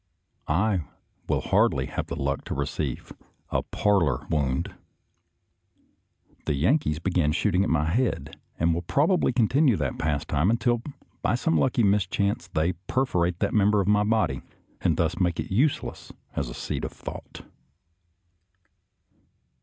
I will hardly have the luck to receive a " parlor wound." The Yankees began shooting at my head, and will probably continue the pas time until by some lucky mischance they per forate that member of my body, and thus make it useless as a seat of thought.